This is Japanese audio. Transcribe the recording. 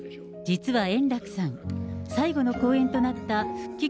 実は円楽さん、最後の公演となった復帰